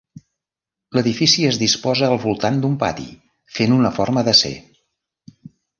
L'edifici es disposa al voltant d'un pati fent una forma de ce.